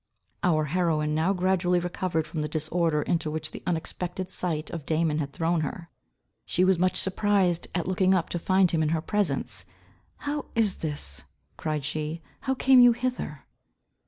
Our heroine now gradually recovered from the disorder into which the unexpected sight of Damon had thrown her. She was much surprised at looking up to find him in her presence. "How is this," cried she, "how came you hither?"